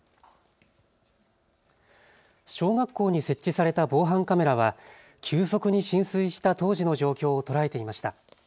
小学校に設置された防犯カメラは急速に浸水した当時の状況を捉えていました。